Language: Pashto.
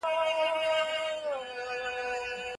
د ښووني او زده کړو لپاره وخت ټاکل ولي مهم دي؟